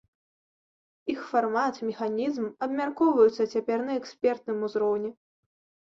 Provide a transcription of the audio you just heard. Іх фармат, механізм абмяркоўваюцца цяпер на экспертным узроўні.